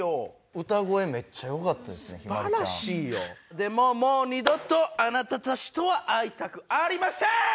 でももう二度とあなたたちとは会いたくありませーん！